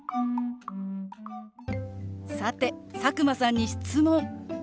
さて佐久間さんに質問。